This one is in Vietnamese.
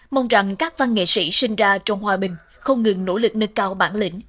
mong rằng các văn nghệ sĩ sinh ra trong hòa bình không ngừng nỗ lực nâng cao bản lĩnh